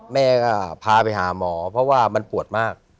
แม่ก็พาไปหาหมอเพราะว่ามันปวดมาก